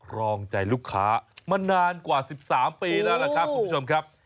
รองใจลูกค้ามานานกว่า๑๓ปีแล้วล่ะครับคุณผู้ชมครับ